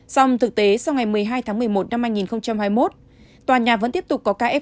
song thực tế sau ngày một mươi hai tháng một mươi một năm hai nghìn hai mươi một tòa nhà vẫn tiếp tục có caff